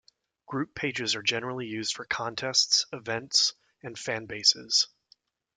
Group pages are generally used for contests, events, and fan bases.